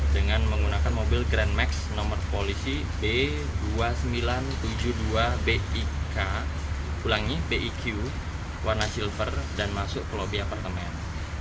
dengan menggunakan mobil grand max nomor polisi b dua ribu sembilan ratus tujuh puluh dua bik ulangi bi q warna silver dan masuk ke lobby apartemen